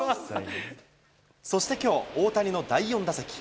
そしてきょう、大谷の第４打席。